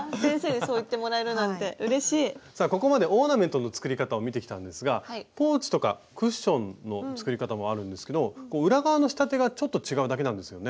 ここまでオーナメントの作り方を見てきたんですがポーチとかクッションの作り方もあるんですけど裏側の仕立てがちょっと違うだけなんですよね。